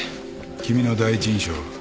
君の第一印象は？